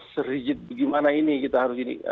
serigit bagaimana ini kita harus ini